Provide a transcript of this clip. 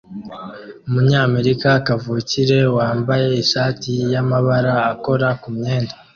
Umunyamerika kavukire wambaye ishati yamabara akora kumyenda